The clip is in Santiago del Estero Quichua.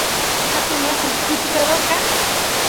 atun lasu kuchukador kan